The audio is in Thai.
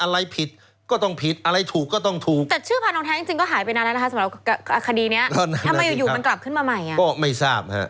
ล้างไปนาน